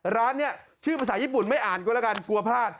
ร้านนี้ชื่อภาษาญี่ปุ่นไม่อ่านก็แล้วกันกลัวพลาด